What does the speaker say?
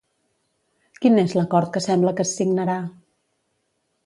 Quin és l'acord que sembla que es signarà?